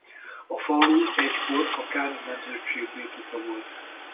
A falu egykor a Kán nemzetség birtoka volt.